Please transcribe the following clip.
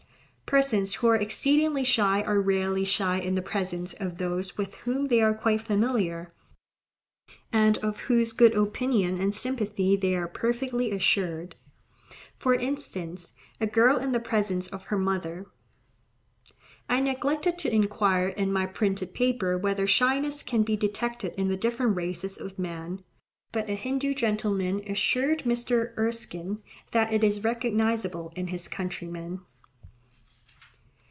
Persons who are exceedingly shy are rarely shy in the presence of those with whom they are quite familiar, and of whose good opinion and sympathy they are perfectly assured;—for instance, a girl in the presence of her mother. I neglected to inquire in my printed paper whether shyness can be detected in the different races of man; but a Hindoo gentleman assured Mr. Erskine that it is recognizable in his countrymen.